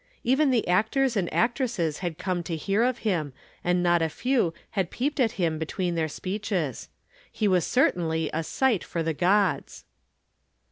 Even the actors and actresses had come to hear of him, and not a few had peeped at him between their speeches. He was certainly a sight for the "gods."